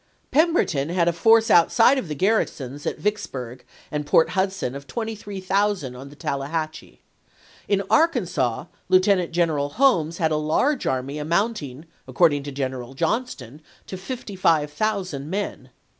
Pemberton had a force out side of the garrisons at Vicksburg and Port Hud son of 23,000 on the Tallahatchie. In Arkansas, Lieutenant General Holmes had a large army amounting, according to General Johnston, to p^uifua. 55,000 men.